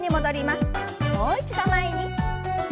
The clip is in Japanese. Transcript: もう一度前に。